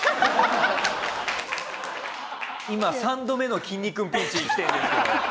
今３度目のきんに君ピンチ来てるんですけど。